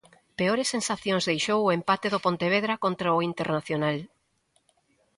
Peores sensacións deixou o empate do Pontevedra contra o Internacional.